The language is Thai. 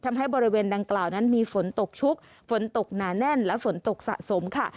บริเวณดังกล่าวนั้นมีฝนตกชุกฝนตกหนาแน่นและฝนตกสะสมค่ะ